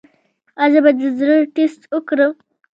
ایا زه باید د زړه ټسټ وکړم؟